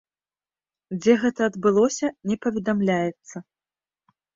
Дзе гэта адбылося, не паведамляецца.